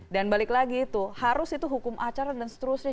dan balik lagi itu harus itu hukum acara dan seterusnya